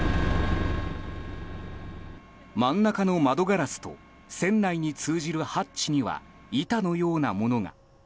真ん中の窓ガラスと船内に通じるハッチには板のようなものが。